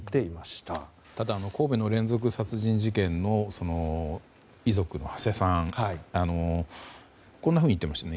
ただ、神戸の連続殺人事件の遺族の土師さんはこんなふうに言っていましたね。